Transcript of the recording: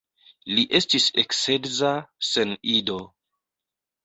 Li estis eksedza sen ido.